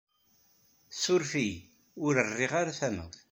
Suref-iyi! Ur rriɣ ara tamawt.